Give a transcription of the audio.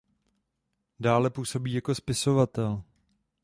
Dále působí jako spisovatel.